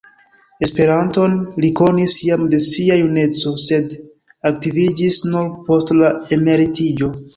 Esperanton li konis jam de sia juneco, sed aktiviĝis nur post la emeritiĝo.